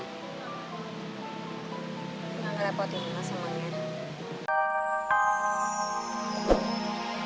gak enak lah sama mas